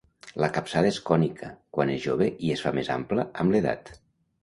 La capçada és cònica quan és jove i es fa més ampla amb l'edat.